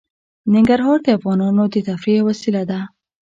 ننګرهار د افغانانو د تفریح یوه وسیله ده.